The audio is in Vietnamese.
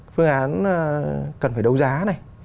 phương án cần phải đấu giá này